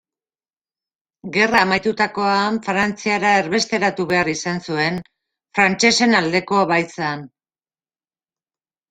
Gerra amaitutakoan Frantziara erbesteratu behar izan zuen, frantsesen aldekoa baitzen.